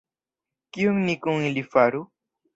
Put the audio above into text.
Kion ni kun ili faru?